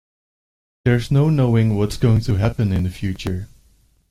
There's no knowing what's going to happen in the future.